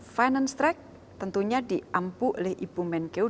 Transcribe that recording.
finance track tentunya diampu oleh ibu menkeu